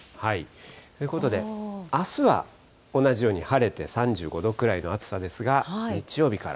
ということで、あすは同じように晴れて、３５度くらいの暑さですが、日曜日から。